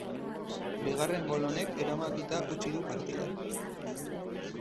Bigarren gol honek erabakita utzi du partida.